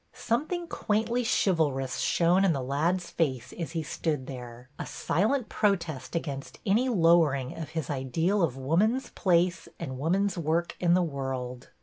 Something quaintly chivalrous shone in the lad's face as he stood there, a silent protest against any lowering of his ideal of woman's place and woman's work in the world.